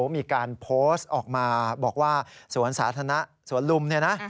มีการโพสต์ออกมาบอกว่าสวนสาธารณะสวนลุมเนี่ยนะ